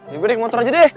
ya gue naik motor aja deh